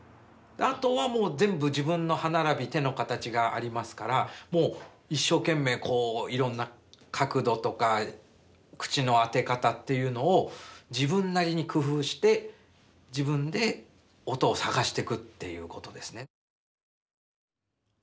あとはもう全部自分の歯並び手の形がありますからもう一生懸命いろんな角度とか口の当て方っていうのを自分なりに工夫して自分で音を探していくということですね。